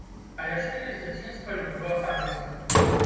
А яшчэ я з дзяцінства люблю афарызмы.